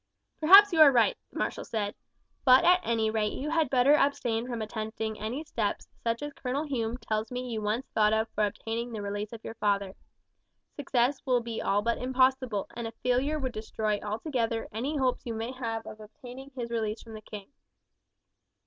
"Perhaps you are right," the marshal said. "But at any rate you had better abstain from attempting any steps such as Colonel Hume tells me you once thought of for obtaining the release of your father. Success will be all but impossible, and a failure would destroy altogether any hopes you may have of obtaining his release from the king."